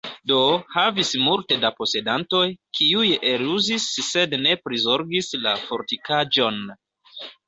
Do, havis multe da posedantoj, kiuj eluzis sed ne prizorgis la fortikaĵon.